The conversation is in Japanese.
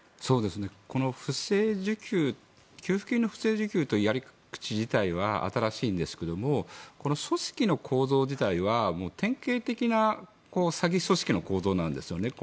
この不正受給給付金の不正受給というやり口は新しいんですけれども組織の構造自体は典型的な詐欺組織の構造なんですよね。